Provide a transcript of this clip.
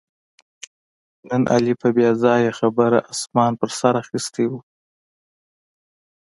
نن علي په بې ځایه خبره اسمان په سر اخیستی و